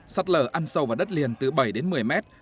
sạt lở ăn sâu vào đất liền từ bảy đến một mươi mét